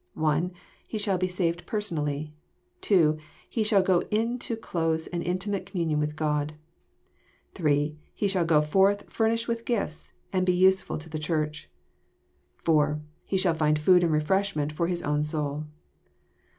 (1) He shall be saved personally. (2) He shall go into close and intimate communion with God. (3) He shall go forth flirnished with gifts, and be usefbl to the Church. (4) He shall find food and refreshment for his own soul.